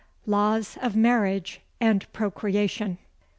LAWS OF MARRIAGE AND PROCREATION.